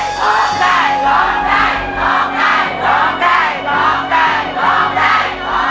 ร้องได้ร้องได้ร้องได้ร้องได้